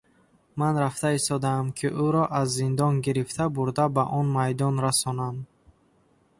Ман рафта истодаам, ки ӯро аз зиндон гирифта бурда ба он майдон расонам.